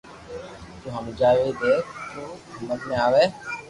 تو ھمجاوي ديئي دو تو ھمج مي آوي